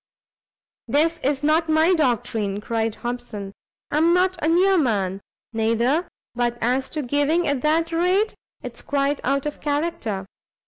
"This is not my doctrine," cried Hobson; "I am not a near man, neither, but as to giving at that rate, it's quite out of character.